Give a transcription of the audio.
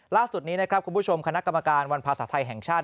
ล่าสุดนี้นะครับคุณผู้ชมคณะกรรมการวันภาษาไทยแห่งชาติ